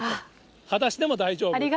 はだしでも大丈夫。